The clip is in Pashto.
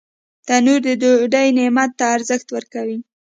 تنور د ډوډۍ نعمت ته ارزښت ورکوي